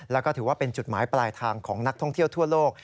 แล้วก็ถือว่าเป็นจุดหมายปลายทางของนักท่องเที่ยวทั่วโลก